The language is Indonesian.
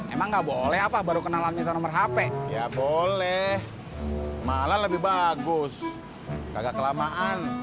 emang nggak boleh apa baru kenalan itu nomor hp ya boleh malah lebih bagus kagak kelamaan